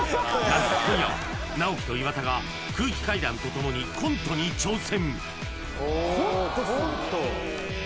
今夜は直己と岩田が空気階段と共にコントに挑戦。